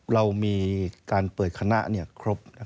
เรามีการเปิดคณะครบ